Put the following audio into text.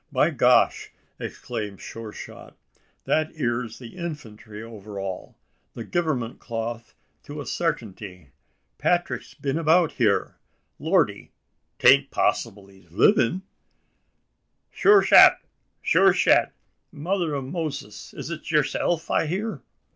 "By Gosh!" exclaimed Sure shot, "that eer's the infantry overall the givernment cloth to a sartingty. Petrick's been abeout heer. Lordy, tain't possyble he's still living?" "Shure shat! Shure shat! Mother ov Moses! is it yerself I hear?"